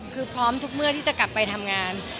คือพร้อมทุกเมื่อที่จะกลับไปทำงาน